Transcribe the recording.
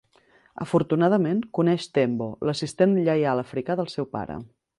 Afortunadament, coneix Tenbo, l'assistent lleial africà del seu pare.